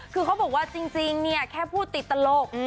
คือเขาบอกว่าจริงเนี่ยแค่พูดติดตลก